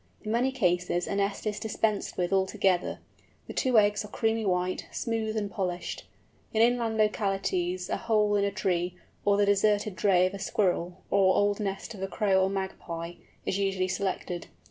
In many cases a nest is dispensed with altogether. The two eggs are creamy white, smooth, and polished. In inland localities a hole in a tree, or the deserted drey of a squirrel, or old nest of a Crow or Magpie, is usually selected.